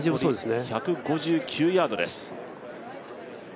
残り１５９ヤードです。